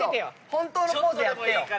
本当のポーズやってよ。